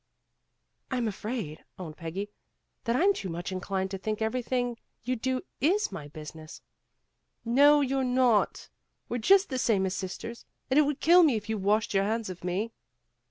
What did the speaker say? "I'm afraid," owned Peggy, "that I'm too much inclined to think everything you do is my business." "No, you're not. We're just the same as sisters. And it would kill me if you washed your hands of me."